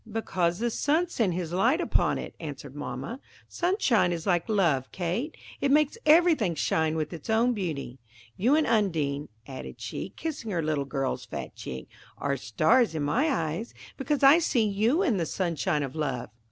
"Because the sun sent his light upon it," answered mamma. "Sunshine is like love, Kate,–it makes everything shine with its own beauty. You and Undine," added she, kissing her little girl's fat cheek, "are stars in my eyes, because I see you in the sunshine of love."